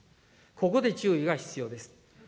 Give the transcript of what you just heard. ここで注意が必要です。